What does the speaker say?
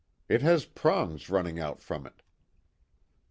It has prongs running out from it."